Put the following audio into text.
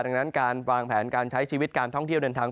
ดังนั้นการวางแผนการใช้ชีวิตการท่องเที่ยวเดินทาง